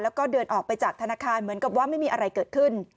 แล้วก็เดินออกไปจากธนาคารเหมือนกับว่าไม่มีอะไรเกิดขึ้น